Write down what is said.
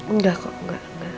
enggak kok enggak